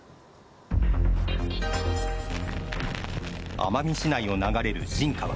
奄美市内を流れる新川。